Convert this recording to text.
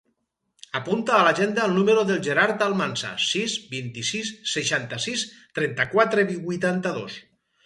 Apunta a l'agenda el número del Gerard Almansa: sis, vint-i-sis, seixanta-sis, trenta-quatre, vuitanta-dos.